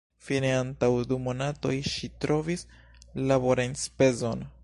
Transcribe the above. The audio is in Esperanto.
Fine antaŭ du monatoj ŝi trovis laborenspezon.